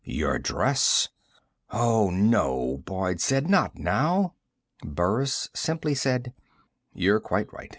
"Your dress!" "Oh, no," Boyd said. "Not now." Burris simply said: "You're quite right.